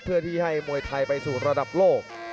เพื่อที่ให้มวยไทยไปสู่ระดับโลก